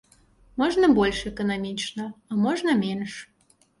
Можна больш эканамічна, а можна менш.